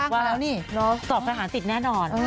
ว่าสอบทหารติดแน่นอน